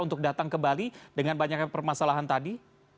untuk datang ke bali dengan banyaknya permasalahan tadi